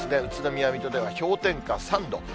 宇都宮、水戸では氷点下３度。